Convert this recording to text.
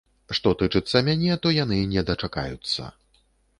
Што тычыцца мяне, то яны не дачакаюцца.